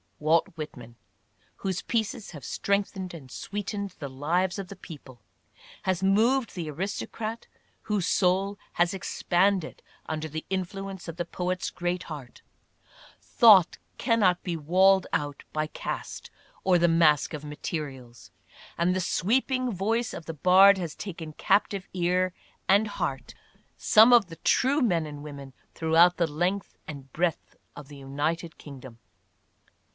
Walt Whitman, whose pieces have strengthened and sweetened the lives of the people, has moved the aristocrat, whose soul has expanded under the influence of the poet's great heart. Thought cannot be walled out by caste or the mask of materials, and the sweeping voice of the bard has taken captive ear and heart some 26 ADDRESSES. of the true men and women throughout the length and breadth of the united kingdom.